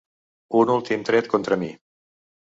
Un últim tret contra mi.